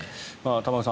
玉川さん